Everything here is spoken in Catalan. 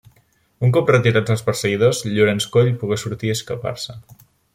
Un cop retirats els perseguidors, Llorenç Coll pogué sortir i escapar-se.